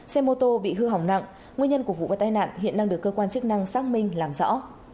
xe mô tô bị hư hỏng nặng nguyên nhân của vụ tai nạn hiện đang được cơ quan chức năng xác minh làm rõ